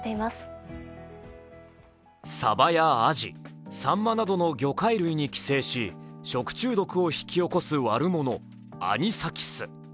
さばやあじ、さんまなどの魚介類に寄生し食中毒を引き起こす悪者、アニサキス。